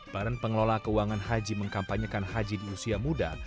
badan pengelola keuangan haji mengkampanyekan haji di usia muda